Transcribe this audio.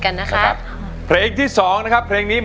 ร้องให้ร้อง